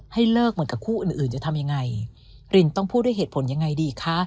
เลิกเหมือนกับคู่อื่นอื่นจะทำยังไงรินต้องพูดด้วยเหตุผลยังไงดีคะ